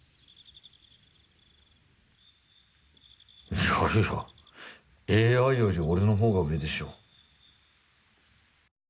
いやいやＡＩより俺のほうが上でしょう。